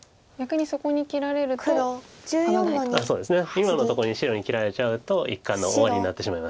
今のとこに白に切られちゃうと一巻の終わりになってしまいますから。